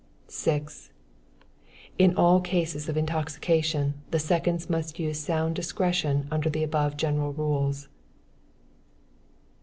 6. In all cases of intoxication, the seconds must use a sound discretion under the above general rules.